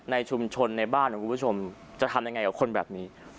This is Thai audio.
ในชุมชนในบ้านของคุณผู้ชมจะทำยังไงกับคนแบบนี้